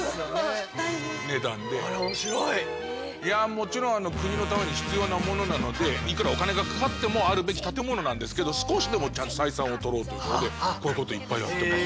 いやもちろん国のために必要なものなのでいくらお金がかかってもあるべき建物なんですけど少しでもちゃんと採算を取ろうということでこういうこといっぱいやってます。